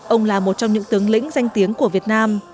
ông là một trong những tướng lĩnh danh tiếng của việt nam